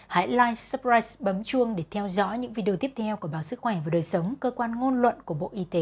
hãy live supprise bấm chuông để theo dõi những video tiếp theo của báo sức khỏe và đời sống cơ quan ngôn luận của bộ y tế